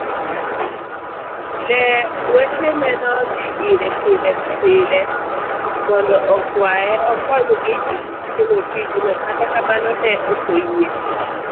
Lee wetene nodhi ire pilepile mondo okwaye okonygi timo tijno, kata kamano ne okoyie.